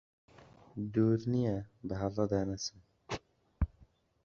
دوور نییە بەهەڵەدا نەچم